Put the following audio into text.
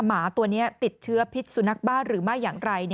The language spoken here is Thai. หมาตัวนี้ติดเชื้อพิษสุนัขบ้าหรือไม่อย่างไร